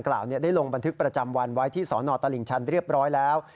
กล่าวได้ลงบันทึกประจำวันไว้ที่สนตลิ่งชันเรียบร้อยแล้ว